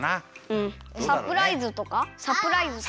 うんサプライズとかサプライズ。